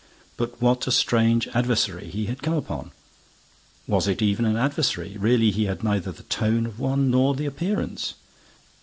But what a strange adversary he had come upon! Was it even an adversary? Really, he had neither the tone of one nor the appearance.